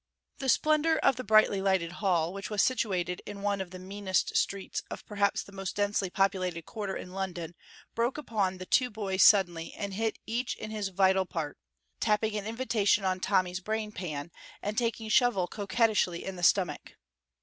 The splendor of the brightly lighted hall, which was situated in one of the meanest streets of perhaps the most densely populated quarter in London, broke upon the two boys suddenly and hit each in his vital part, tapping an invitation on Tommy's brain pan and taking Shovel coquettishly in the stomach.